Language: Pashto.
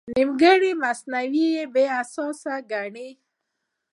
نیمګړی مصنوعي بې اساسه ګڼي.